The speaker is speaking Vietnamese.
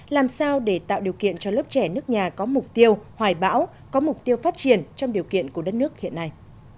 làm sao để tạo điều kiện cho lớp trẻ nước nhà có mục tiêu hoài bão có mục tiêu phát triển trong điều kiện của đất nước hiện nay